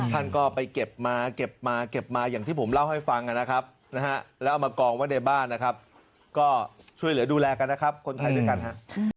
ท่านก็ไปเก็บมาเก็บมาเก็บมาอย่างที่ผมเล่าให้ฟังนะครับแล้วเอามากองไว้ในบ้านนะครับก็ช่วยเหลือดูแลกันนะครับคนไทยด้วยกันฮะ